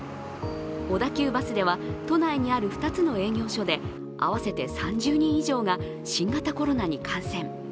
小田急バスでは都内にある２つの営業所で合わせて３０人以上が新型コロナに感染。